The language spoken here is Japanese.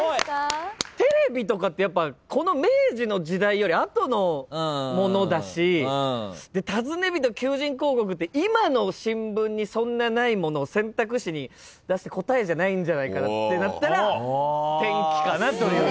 テレビとかってやっぱ明治の時代より後のものだし尋ね人求人広告って今の新聞にそんなないものを選択肢に出して答えじゃないんじゃないかなってなったら天気かなという。